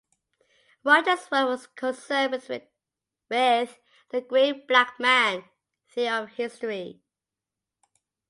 Rogers' work was concerned with "the Great Black Man" theory of history.